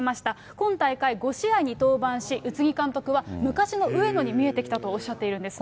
今大会５試合に登板し、宇津木監督は、昔の上野に見えてきたとおっしゃってるんですね。